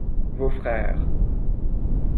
Vos frères.